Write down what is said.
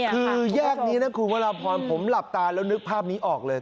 คือแยกนี้นะคุณวรพรผมหลับตาแล้วนึกภาพนี้ออกเลย